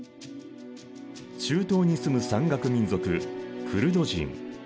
中東に住む山岳民族クルド人。